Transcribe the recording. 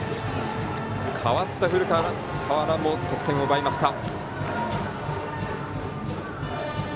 代わった古川からも得点を奪いました。